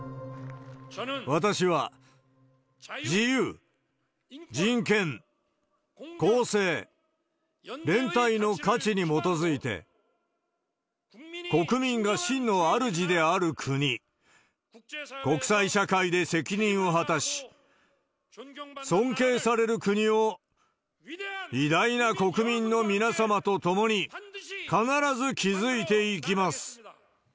私は自由、人権、公正、連帯の価値に基づいて、国民が真の主である国、国際社会で責任を果たし、尊敬される国を、偉大な国民の皆様とともに、必ず築いていきます。